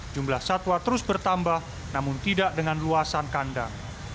jumlah satwa terus bertambah namun tidak dengan luasan kandang